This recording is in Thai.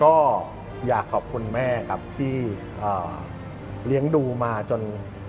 ก็อยากขอบคุณแม่ครับที่เลี้ยงดูมาจน